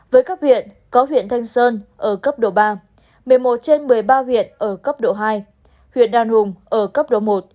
với cấp huyện có huyện thanh sơn ở cấp độ ba một mươi một trên một mươi ba huyện ở cấp độ hai huyện đan hùng ở cấp độ một